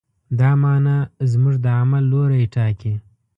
دا معنی زموږ د عمل لوری ټاکي.